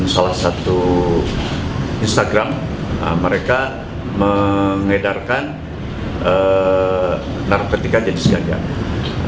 salah satu instagram mereka mengedarkan narkotika jenis ganja